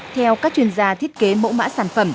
theo các chuyên gia thiết kế mẫu mã sản phẩm